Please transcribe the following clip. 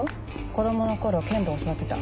子供の頃剣道教わってた。